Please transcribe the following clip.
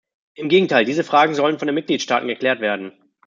Im Gegenteil, diese Fragen sollen von den Mitgliedstaaten geklärt werden.